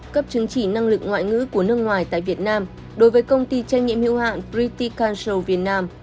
cấp chứng chỉ năng lực ngoại ngữ của nước ngoài tại việt nam đối với công ty trang nhiệm hữu hạng pretty council việt nam